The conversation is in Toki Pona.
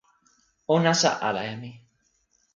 o nasa ala e mi.